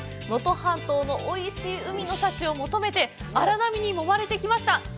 能登半島のおいしい海の幸を求めて求めて、荒波にもまれてきました！